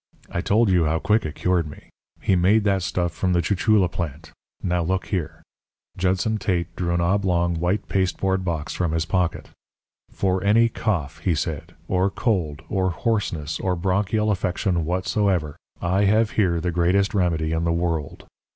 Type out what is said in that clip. I told you how quick it cured me. He made that stuff from the chuchula plant. Now, look here." Judson Tate drew an oblong, white pasteboard box from his pocket. "For any cough," he said, "or cold, or hoarseness, or bronchial affection whatsoever, I have here the greatest remedy in the world.